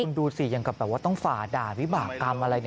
คุณดูสิอย่างกับแบบว่าต้องฝ่าด่าวิบากรรมอะไร